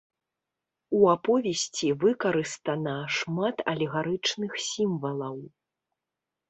У аповесці выкарыстана шмат алегарычных сімвалаў.